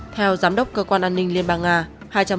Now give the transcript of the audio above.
theo giám đốc cơ quan an ninh liên bang nga